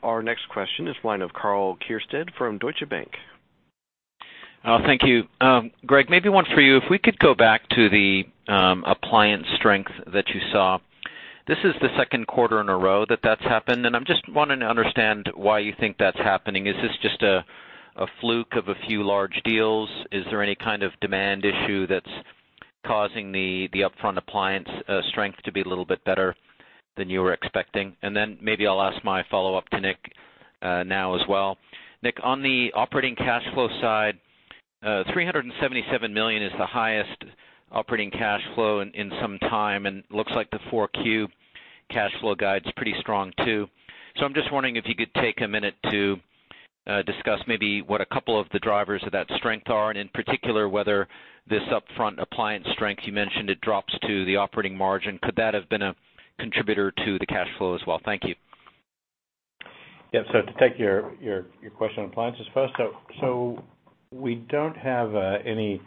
Our next question is the line of Karl Keirstead from Deutsche Bank. Thank you. Greg, maybe one for you. If we could go back to the appliance strength that you saw. This is the second quarter in a row that that's happened, and I'm just wanting to understand why you think that's happening. Is this just a fluke of a few large deals? Is there any kind of demand issue that's causing the upfront appliance strength to be a little bit better than you were expecting? Then maybe I'll ask my follow-up to Nick now as well. Nick, on the operating cash flow side, $377 million is the highest operating cash flow in some time, and looks like the 4Q cash flow guide's pretty strong, too. I'm just wondering if you could take a minute to discuss maybe what a couple of the drivers of that strength are, and in particular, whether this upfront appliance strength, you mentioned it drops to the operating margin. Could that have been a contributor to the cash flow as well? Thank you. To take your question on appliances first. We don't have any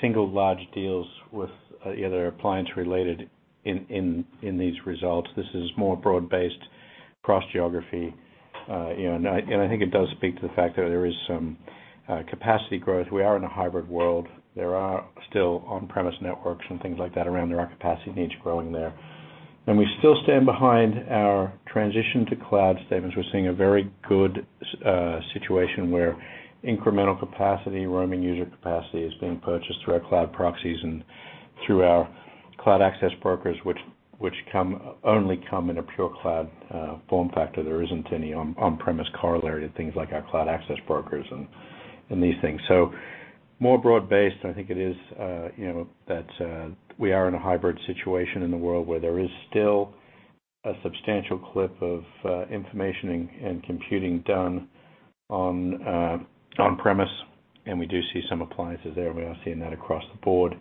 single large deals with either appliance-related in these results. This is more broad-based across geography. I think it does speak to the fact that there is some capacity growth. We are in a hybrid world. There are still on-premise networks and things like that around. There are capacity needs growing there. We still stand behind our transition to cloud statements. We're seeing a very good situation where incremental capacity, roaming user capacity, is being purchased through our cloud proxies and through our cloud access brokers, which only come in a pure cloud form factor. There isn't any on-premise corollary to things like our cloud access brokers and these things. More broad-based, I think it is that we are in a hybrid situation in the world where there is still a substantial clip of information and computing done on-premise, and we do see some appliances there. We are seeing that across the board.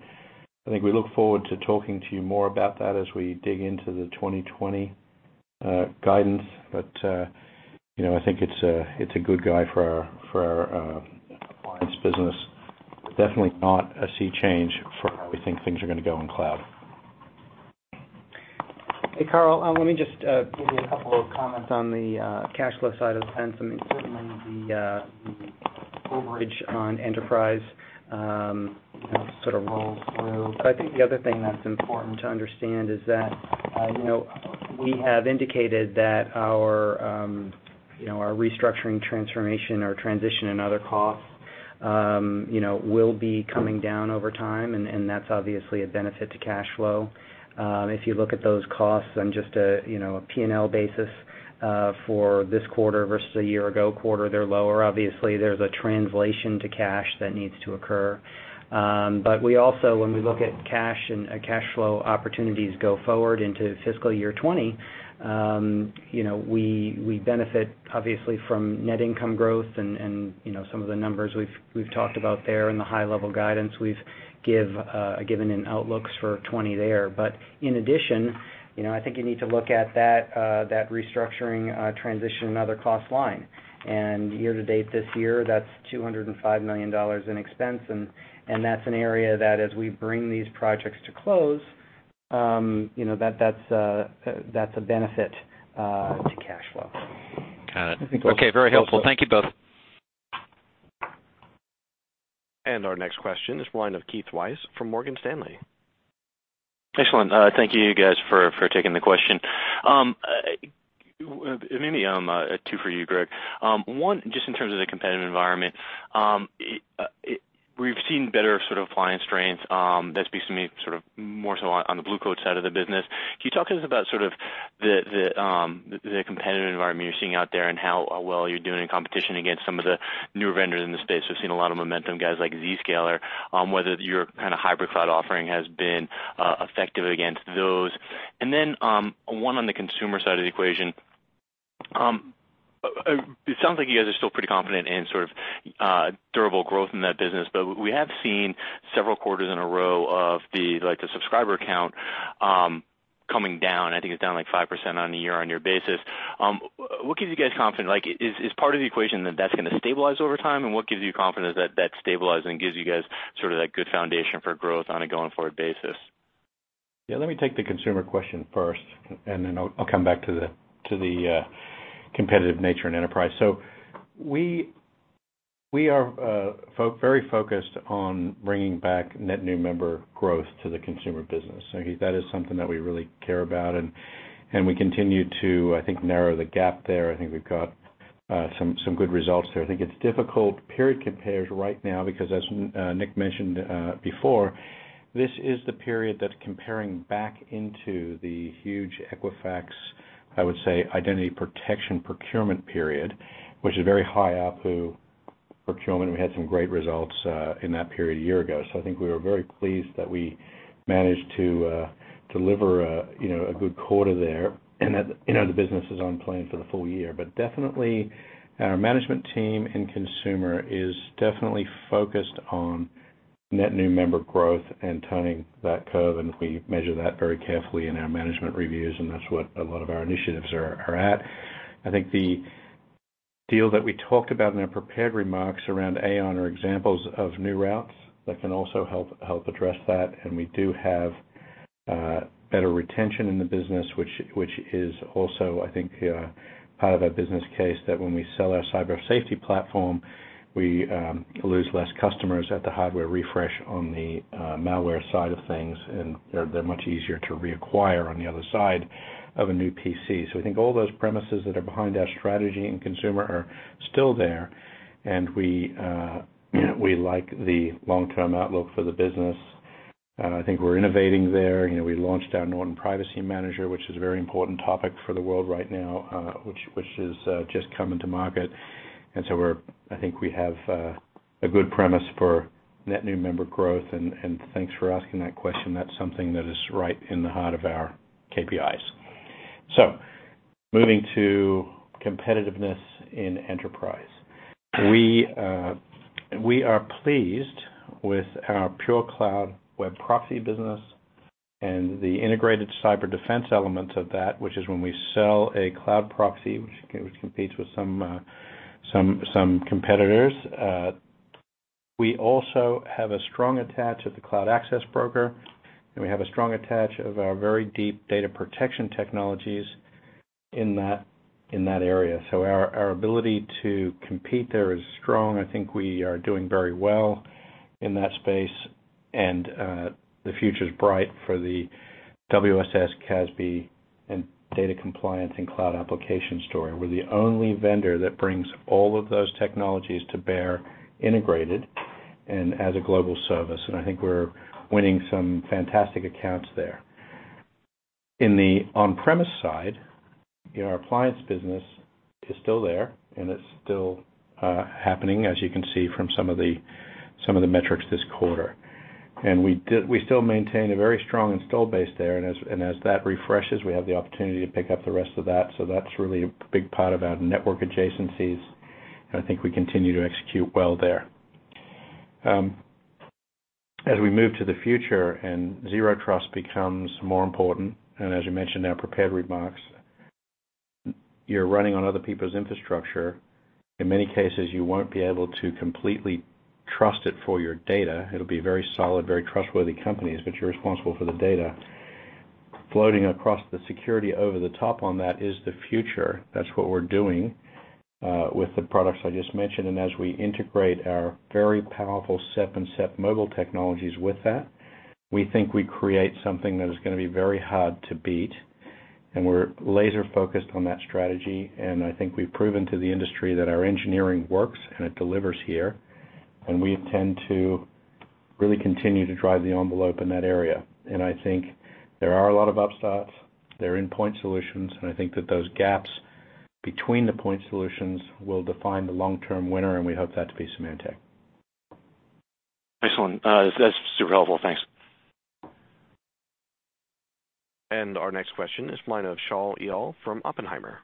I think we look forward to talking to you more about that as we dig into the 2020 guidance. I think it's a good guide for our appliance business. Definitely not a sea change for how we think things are going to go in cloud. Hey, Karl, let me just give you a couple of comments on the cash flow side of the fence. I mean, certainly the on enterprise sort of rolls through. I think the other thing that's important to understand is that we have indicated that our restructuring transformation, our transition and other costs will be coming down over time, and that's obviously a benefit to cash flow. If you look at those costs on just a P&L basis for this quarter versus a year ago quarter, they're lower. Obviously, there's a translation to cash that needs to occur. We also, when we look at cash and cash flow opportunities go forward into fiscal year 2020, we benefit obviously from net income growth and some of the numbers we've talked about there in the high-level guidance we've given in outlooks for 2020 there. In addition, I think you need to look at that restructuring transition and other cost line. Year to date this year, that's $205 million in expense, and that's an area that as we bring these projects to close, that's a benefit to cash flow. Got it. Okay. Very helpful. Thank you both. Our next question is the line of Keith Weiss from Morgan Stanley. Excellent. Thank you guys for taking the question. Maybe two for you, Greg. One, just in terms of the competitive environment. We've seen better sort of client strength that speaks to me sort of more so on the Blue Coat side of the business. Can you talk to us about the competitive environment you're seeing out there and how well you're doing in competition against some of the newer vendors in the space? We've seen a lot of momentum, guys like Zscaler, whether your kind of hybrid cloud offering has been effective against those. One on the consumer side of the equation. It sounds like you guys are still pretty confident in sort of durable growth in that business, but we have seen several quarters in a row of the subscriber count coming down. I think it's down like 5% on a year-on-year basis. What gives you guys confidence? Is part of the equation that that's going to stabilize over time, and what gives you confidence that that stabilizing gives you guys sort of that good foundation for growth on a going-forward basis? Yeah, let me take the consumer question first, and then I'll come back to the competitive nature in enterprise. We are very focused on bringing back net new member growth to the consumer business. That is something that we really care about, and we continue to, I think, narrow the gap there. I think we've got some good results there. I think it's difficult period compares right now because as Nick mentioned before, this is the period that's comparing back into the huge Equifax, I would say, identity protection procurement period, which is a very high ARPU procurement, and we had some great results in that period a year ago. I think we were very pleased that we managed to deliver a good quarter there and that the business is on plan for the full year. Definitely, our management team and consumer is definitely focused on net new member growth and turning that curve, and we measure that very carefully in our management reviews, and that's what a lot of our initiatives are at. I think the deal that we talked about in our prepared remarks around Aon are examples of new routes that can also help address that. We do have better retention in the business, which is also, I think, part of our business case that when we sell our cyber safety platform, we lose less customers at the hardware refresh on the malware side of things, and they're much easier to reacquire on the other side of a new PC. I think all those premises that are behind our strategy and consumer are still there, and we like the long-term outlook for the business. I think we're innovating there. We launched our Norton Privacy Manager, which is a very important topic for the world right now, which is just coming to market. I think we have a good premise for net new member growth, and thanks for asking that question. That's something that is right in the heart of our KPIs. Moving to competitiveness in enterprise. We are pleased with our pure cloud web proxy business and the integrated cyber defense elements of that, which is when we sell a cloud proxy, which competes with some competitors. We also have a strong attach of the cloud access broker, and we have a strong attach of our very deep data protection technologies in that area. Our ability to compete there is strong. I think we are doing very well in that space, the future's bright for the WSS, CASB, and data compliance and cloud application story. We're the only vendor that brings all of those technologies to bear integrated and as a global service. I think we're winning some fantastic accounts there. In the on-premise side, our appliance business is still there, and it's still happening, as you can see from some of the metrics this quarter. We still maintain a very strong install base there, and as that refreshes, we have the opportunity to pick up the rest of that. That's really a big part of our network adjacencies, and I think we continue to execute well there. As we move to the future and Zero Trust becomes more important, as you mentioned in our prepared remarks, you're running on other people's infrastructure. In many cases, you won't be able to completely trust it for your data. It'll be very solid, very trustworthy companies, but you're responsible for the data. Floating across the security over the top on that is the future. That's what we're doing with the products I just mentioned. As we integrate our very powerful SEP and SEP Mobile technologies with that, we think we create something that is going to be very hard to beat. We're laser-focused on that strategy. I think we've proven to the industry that our engineering works and it delivers here. We intend to really continue to drive the envelope in that area. I think there are a lot of upstarts. They're in point solutions. I think that those gaps between the point solutions will define the long-term winner, and we hope that to be Symantec. Excellent. That's super helpful. Thanks. Our next question is line of Shaul Eyal from Oppenheimer.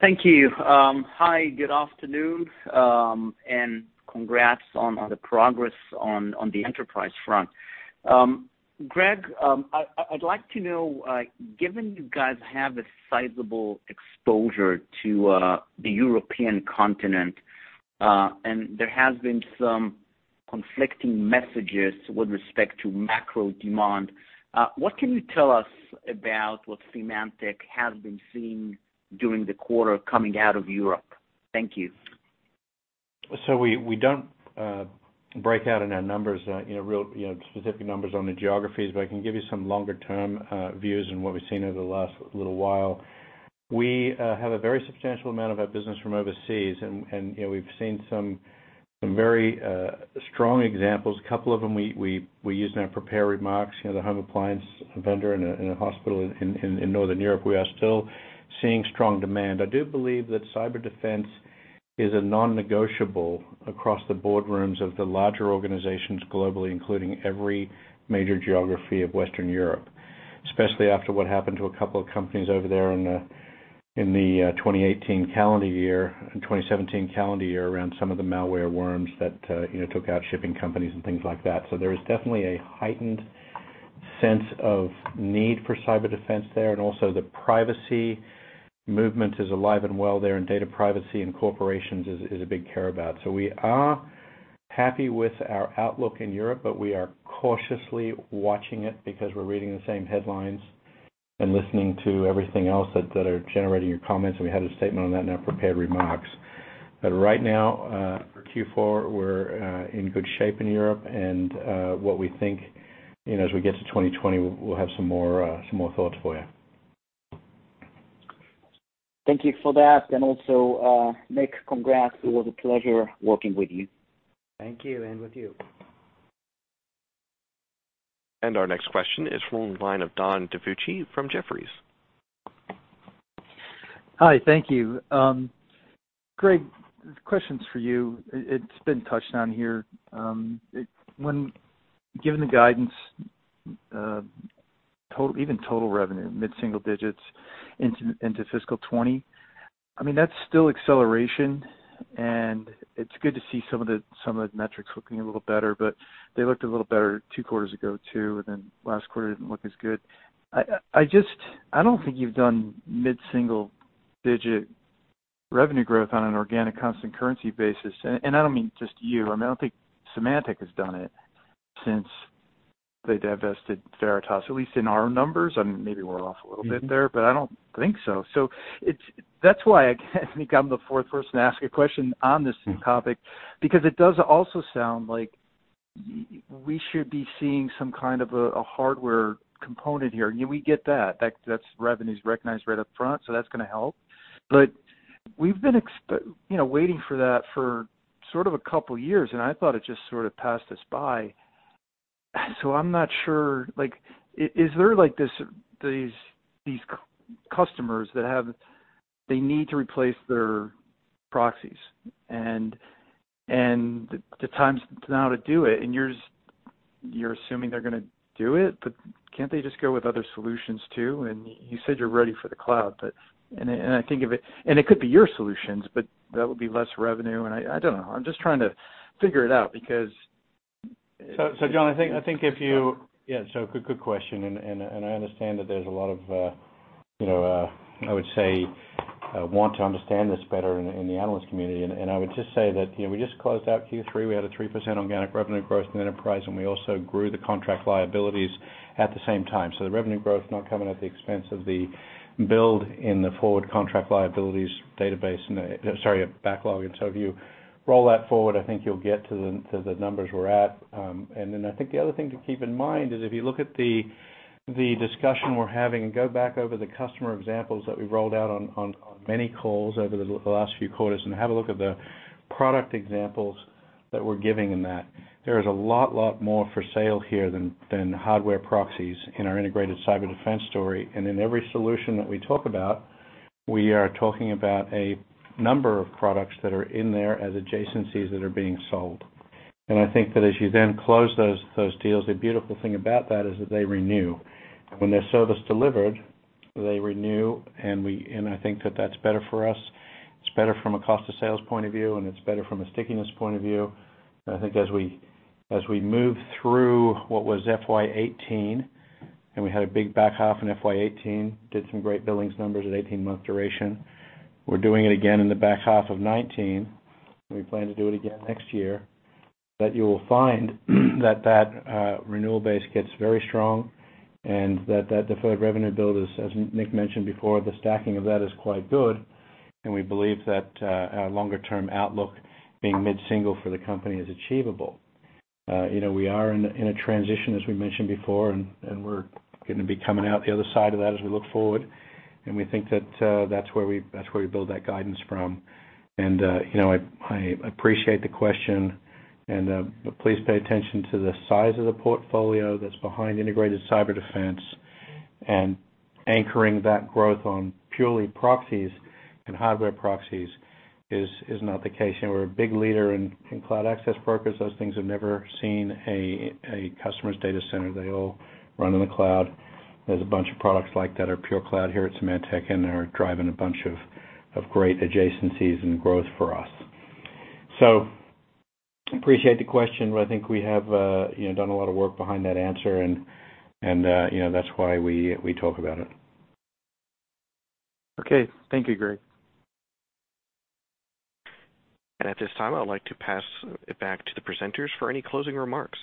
Thank you. Hi, good afternoon, and congrats on the progress on the enterprise front. Greg, I'd like to know, given you guys have a sizable exposure to the European continent, and there has been some conflicting messages with respect to macro demand, what can you tell us about what Symantec has been seeing during the quarter coming out of Europe? Thank you. We don't break out in our numbers, real specific numbers on the geographies, but I can give you some longer-term views on what we've seen over the last little while. We have a very substantial amount of our business from overseas, and we've seen some very strong examples. A couple of them we used in our prepared remarks, the home appliance vendor in a hospital in Northern Europe. We are still seeing strong demand. I do believe that cyber defense is a non-negotiable across the boardrooms of the larger organizations globally, including every major geography of Western Europe, especially after what happened to a couple of companies over there in the 2018 calendar year and 2017 calendar year around some of the malware worms that took out shipping companies and things like that. There is definitely a heightened sense of need for cyber defense there. Also the privacy movement is alive and well there, and data privacy in corporations is a big care about. We are happy with our outlook in Europe, but we are cautiously watching it because we're reading the same headlines and listening to everything else that are generating your comments, and we had a statement on that in our prepared remarks. Right now, for Q4, we're in good shape in Europe, and what we think as we get to 2020, we'll have some more thoughts for you. Thank you for that. Also, Nick, congrats. It was a pleasure working with you. Thank you, and with you. Our next question is from the line of John DiFucci from Jefferies. Hi. Thank you. Greg, this question is for you. It's been touched on here. Given the guidance, even total revenue, mid-single digits into fiscal 2020, that's still acceleration, and it's good to see some of the metrics looking a little better, but they looked a little better two quarters ago, too, and then last quarter didn't look as good. I don't think you've done mid-single-digit revenue growth on an organic constant currency basis, and I don't mean just you. I don't think Symantec has done it since they divested Veritas, at least in our numbers. Maybe we're off a little bit there, but I don't think so. That's why I think I'm the fourth person to ask a question on this same topic, because it does also sound like we should be seeing some kind of a hardware component here. We get that. That revenue is recognized right up front. That's going to help. We've been waiting for that for sort of a couple of years, and I thought it just sort of passed us by. I'm not sure. Are there these customers that they need to replace their proxies, and the time is now to do it, and you're assuming they're going to do it? Can't they just go with other solutions, too? You said you're ready for the cloud. It could be your solutions, but that would be less revenue, and I don't know. I'm just trying to figure it out. John, good question, and I understand that there's a lot of, I would say, want to understand this better in the analyst community. I would just say that we just closed out Q3. We had a 3% organic revenue growth in the enterprise, and we also grew the contract liabilities at the same time. The revenue growth is not coming at the expense of the build in the forward contract liabilities database and backlog. If you roll that forward, I think you'll get to the numbers we're at. I think the other thing to keep in mind is if you look at the discussion we're having, and go back over the customer examples that we've rolled out on many calls over the last few quarters, and have a look at the product examples that we're giving in that. There is a lot more for sale here than hardware proxies in our Integrated Cyber Defense story. In every solution that we talk about, we are talking about a number of products that are in there as adjacencies that are being sold. I think that as you then close those deals, the beautiful thing about that is that they renew. When their service delivered, they renew, and I think that that's better for us. It's better from a cost of sales point of view, and it's better from a stickiness point of view. I think as we move through what was FY 2018, we had a big back half in FY 2018, did some great billings numbers at 18-month duration. We're doing it again in the back half of 2019. We plan to do it again next year. You will find that that renewal base gets very strong and that that deferred revenue build is, as Nick mentioned before, the stacking of that is quite good. We believe that our longer-term outlook being mid-single for the company is achievable. We are in a transition, as we mentioned before, and we're going to be coming out the other side of that as we look forward. We think that's where we build that guidance from. I appreciate the question, please pay attention to the size of the portfolio that's behind Integrated Cyber Defense and anchoring that growth on purely proxies and hardware proxies is not the case. We're a big leader in cloud access brokers. Those things have never seen a customer's data center. They all run in the cloud. There's a bunch of products like that are pure cloud here at Symantec, they're driving a bunch of great adjacencies and growth for us. Appreciate the question, but I think we have done a lot of work behind that answer, that's why we talk about it. Okay. Thank you, Greg. At this time, I would like to pass it back to the presenters for any closing remarks.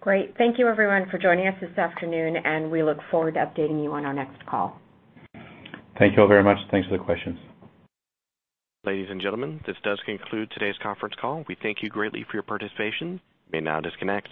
Great. Thank you everyone for joining us this afternoon, and we look forward to updating you on our next call. Thank you all very much. Thanks for the questions. Ladies and gentlemen, this does conclude today's conference call. We thank you greatly for your participation. You may now disconnect.